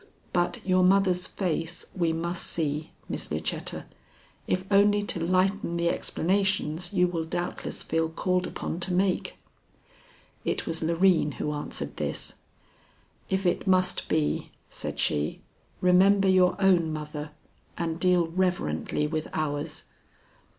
But your mother's face we must see, Miss Lucetta, if only to lighten the explanations you will doubtless feel called upon to make." It was Loreen who answered this. "If it must be," said she, "remember your own mother and deal reverently with ours."